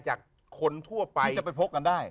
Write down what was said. จากคนทั่วไปจะไปพบกันได้